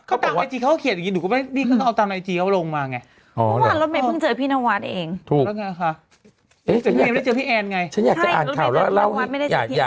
เขาตามไอจีเขาเขียนอยู่ดูนี่เขาก็ตามไอจีเขาลงมาไง